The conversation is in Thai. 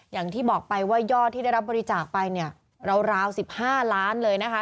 อย่างที่บอกไปว่ายอดที่ได้รับบริจาคไปเนี่ยราว๑๕ล้านเลยนะคะ